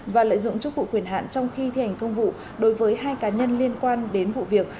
và lợi dụng chức vụ quyền hạn trong khi thi hành công vụ đối với hai cá nhân liên quan đến vụ việc